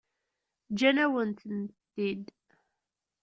Ǧǧan-awen-tent-id.